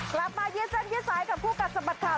กลับมายี่เซ็นยี่สายกับภูกรัฐสบัดข่าว